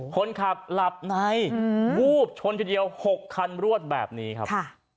คนขับหลับในวูบชนทีเดียว๖คันรวดแบบนี้ครับ